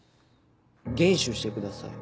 「厳守してください」。